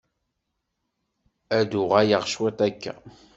Ad d-uɣaleɣ cwit akka.